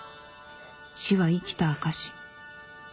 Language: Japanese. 死は生きた証し。